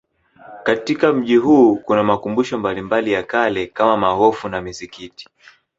Katika mji huu kuna makumbusho mbalimbali ya kale kama maghofu na misikiti